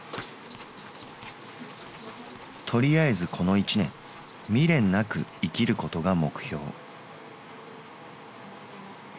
「とりあえずこの１年みれんなく生きることが目標」。